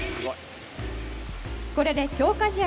これで強化試合